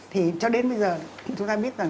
thì cho đến bây giờ chúng ta biết là